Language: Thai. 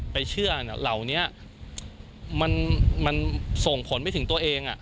ไปเชื่อเหล่านี้มันส่งผลไปถึงตัวเอง